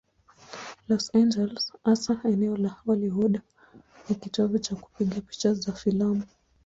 Los Angeles, hasa eneo la Hollywood, ni kitovu cha kupiga picha za filamu.